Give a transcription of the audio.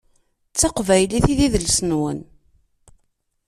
D taqbylit i d idles-nwen.